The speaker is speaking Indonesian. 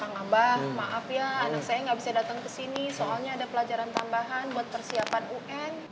ngabah maaf ya anak saya nggak bisa datang ke sini soalnya ada pelajaran tambahan buat persiapan un